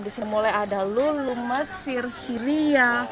di sini mulai ada lulu mesir syria